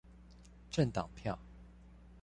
政黨票